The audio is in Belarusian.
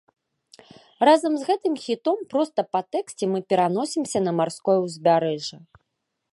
Разам з гэтым хітом, проста па тэксце, мы пераносімся на марское ўзбярэжжа.